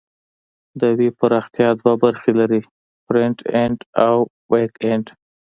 د ویب پراختیا دوه برخې لري: فرنټ اینډ او بیک اینډ.